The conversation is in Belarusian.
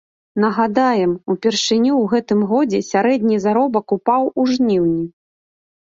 Нагадаем, упершыню ў гэтым годзе сярэдні заробак упаў у жніўні.